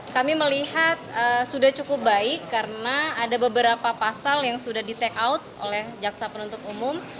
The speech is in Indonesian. kami melihat sudah cukup baik karena ada beberapa pasal yang sudah di take out oleh jaksa penuntut umum